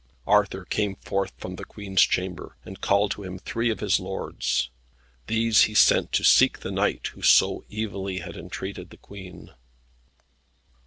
Arthur came forth from the Queen's chamber, and called to him three of his lords. These he sent to seek the knight who so evilly had entreated the Queen.